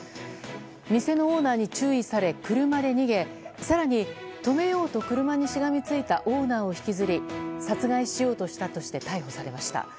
店のオーナーに注意され車で逃げ更に止めようと車にしがみついたオーナーを引きずり殺害しようとしたとして逮捕されました。